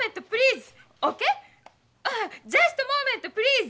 ジャストモーメントプリーズ。